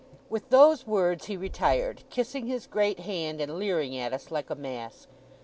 With those words, he retired, kissing his great hand, and leering at us like a mask.